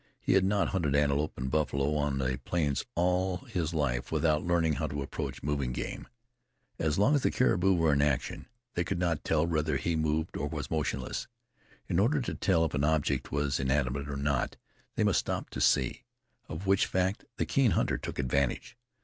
He had not hunted antelope and buffalo on the plains all his life without learning how to approach moving game. As long as the caribou were in action, they could not tell whether he moved or was motionless. In order to tell if an object was inanimate or not, they must stop to see, of which fact the keen hunter took advantage.